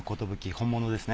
本物ですね。